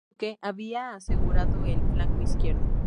El Duque había asegurado el flanco izquierdo.